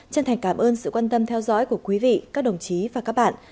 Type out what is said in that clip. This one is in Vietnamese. chân thành cảm ơn sự quan tâm theo dõi của quý vị các đồng chí và các bạn